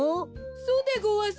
そうでごわす。